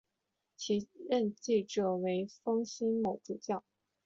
其继任者为封新卯主教。